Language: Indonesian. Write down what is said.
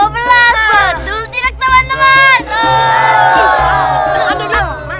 betul tidak teman teman